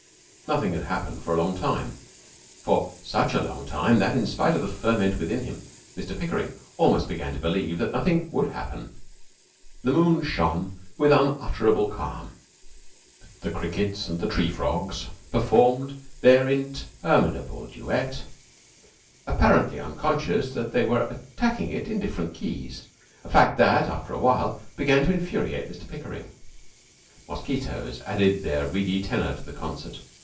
Nothing had happened for a long time for such a long time that, in spite of the ferment within him, Mr Pickering almost began to believe that nothing would happen. The moon shone with unutterable calm. The crickets and the tree frogs performed their interminable duet, apparently unconscious that they were attacking it in different keys a fact that, after a while, began to infuriate Mr Pickering. Mosquitoes added their reedy tenor to the concert.